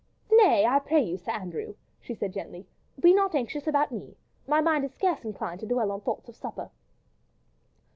"Nay! I pray you, Sir Andrew," she said gently, "be not anxious about me. My mind is scarce inclined to dwell on thoughts of supper."